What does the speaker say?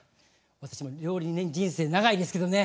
私も料理人人生長いですけどね